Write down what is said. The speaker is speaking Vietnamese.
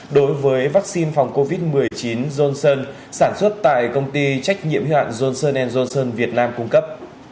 đối với vaccine phòng covid một mươi chín johnson sản xuất tại công ty trách nhiệm hữu hạn johnson johnson việt nam cung cấp